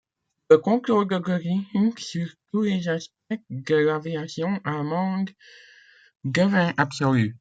Le contrôle de Göring sur tous les aspects de l'Aviation allemande devint absolu.